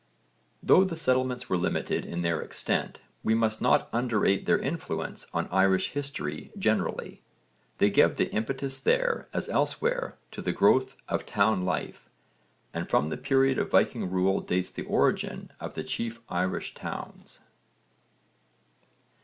Though the settlements were limited in their extent, we must not underrate their influence on Irish history generally. They gave the impetus there, as elsewhere, to the growth of town life, and from the period of Viking rule dates the origin of the chief Irish towns.